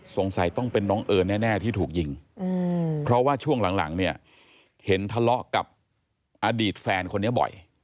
สงสัยต้องเป็นน้องเอิญแน่ที่ถูกยิงเพราะว่าช่วงหลังเนี่ยเห็นทะเลาะกับอดีตแฟนคนนี้บ่อย